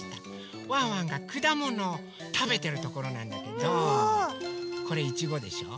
ワンワンがくだものをたべてるところなんだけどこれいちごでしょ。